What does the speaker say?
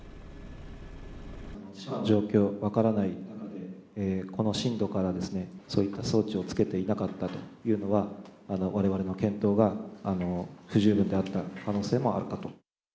地下の状況が分からない、この深度からそういった装置をつけていなかったというのは、われわれの検討が不十分であった可能性もあるかと。